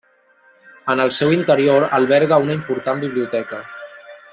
En el seu interior alberga una important biblioteca.